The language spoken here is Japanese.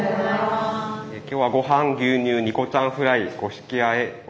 今日はごはん牛乳ニコちゃんフライ五色あえ。